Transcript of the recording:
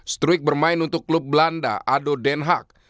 struik bermain untuk klub belanda ado den haag